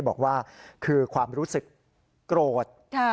บอกว่าคือความรู้สึกโกรธ